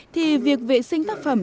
thì việc vệ sinh tác phẩm